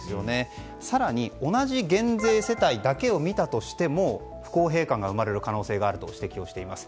更に、同じ減税世帯だけを見たとしても不公平感が生まれる可能性があると指摘をしています。